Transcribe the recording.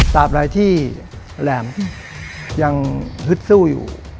ตามอะไรที่แหลมยังฮึดสู้อยู่